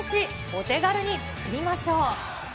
お手軽に作りましょう。